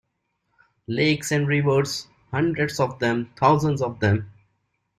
Lakes and rivers, hundreds of them, thousands of them.